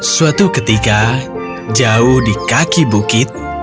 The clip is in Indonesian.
suatu ketika jauh di kaki bukit